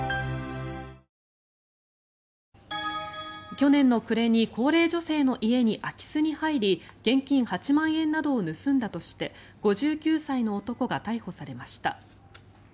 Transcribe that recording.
去年の暮れに高齢女性の家に空き巣に入り現金８万円などを盗んだとして５９歳の男が逮捕されました。